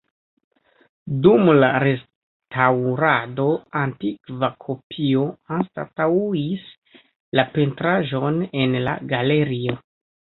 Dum la restaŭrado, antikva kopio anstataŭis la pentraĵon en la galerio.